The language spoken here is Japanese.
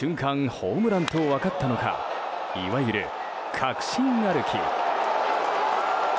ホームランと分かったのかいわゆる確信歩き。